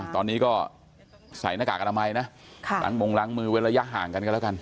ตอนนี้ก็ใส่หน้ากากอามาไลน์นะหลังมงหลังมือเวลายะห่างกันกันแล้วกัน